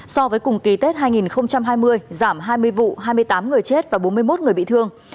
so với cùng kỳ tết hai nghìn hai mươi giảm hai mươi vụ hai mươi tám người chết và bốn mươi một người bị thương